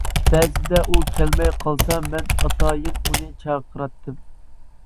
بەزىدە ئۇ كەلمەي قالسا، مەن ئاتايىن ئۇنى چاقىراتتىم.